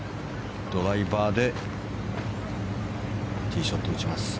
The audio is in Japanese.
ドライバーでティーショットを撃ちます。